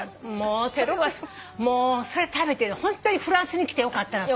それ食べてホントにフランスに来てよかったなと。